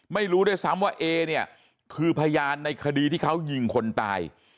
ไม่รู้ด้วยซ้ำว่าเอเนี่ยคือพยานในคดีที่เขายิงคนตาย